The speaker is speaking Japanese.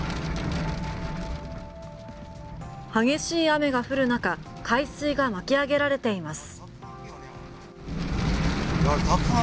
激しい雨が降る中海水が巻き上げられています。